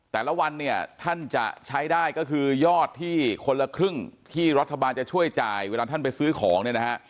แต่ละวันเนี่ยท่านจะใช้ได้ก็คือยอดที่คนละครึ่งที่รัฐบาลจะช่วยจ่ายเวลาท่านไปซื้อของเนี่ยนะฮะ